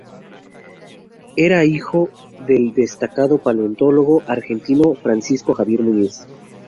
Era hijo del destacado paleontólogo argentino Francisco Javier Muñiz.